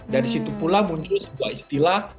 dari situ pula muncul sebuah istilah